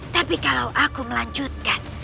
tapi kalau aku melanjutkan